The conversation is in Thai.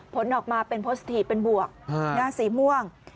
ผลออกมาเป็นพสิทธิเป็นบวกหน้าสีม่วง